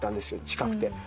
近くて。